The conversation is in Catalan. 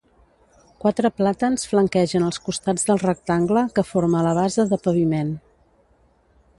Quatre plàtans flanquegen els costats del rectangle que forma la base de paviment.